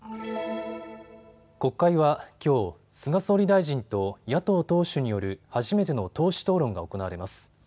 国会はきょう、菅総理大臣と野党党首による初めての党首討論が行われます。